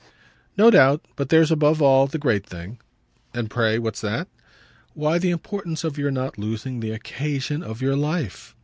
"No doubt. But there's above all the great thing." "And pray what's that?" "Why the importance of your not losing the occasion of your life.